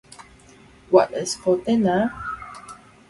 What is for dinner?